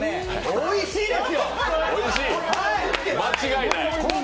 おいしいです！